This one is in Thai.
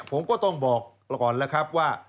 ผมก็ต้องบอกก่อนแล้วครับว่า